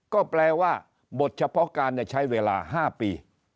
ก็แปลว่าบทเฉพาะการใช้เวลา๕ปี